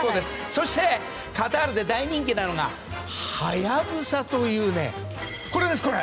そして、カタールで大人気なのがハヤブサという、これです。